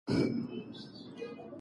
د روغتون څنګ ته تل ډېر ناروغان وي.